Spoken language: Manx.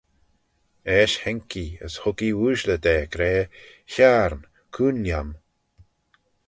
Eisht haink ee as hug ee ooashley da gra, hiarn, cooin lhiam.